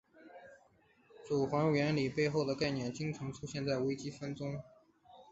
祖暅原理背后的概念经常出现在微积分中。